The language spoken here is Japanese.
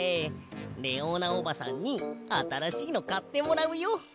レオーナおばさんにあたらしいのかってもらうよ。